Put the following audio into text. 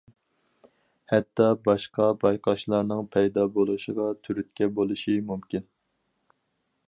ھەتتا باشقا بايقاشلارنىڭ پەيدا بولۇشىغا تۈرتكە بولۇشى مۇمكىن.